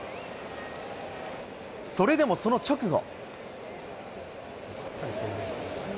それでもその直後。